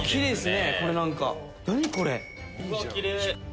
何これ？